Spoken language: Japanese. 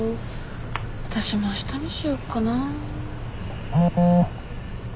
わたしも明日にしよっかな。